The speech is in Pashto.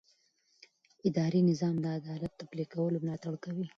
اداري نظام د عدالت د پلي کولو ملاتړ کوي.